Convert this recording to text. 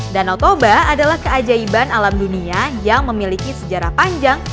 danau toba adalah keajaiban alam dunia yang memiliki sejarah panjang